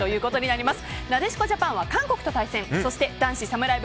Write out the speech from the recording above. なでしこジャパンは韓国と対戦そして男子サムライ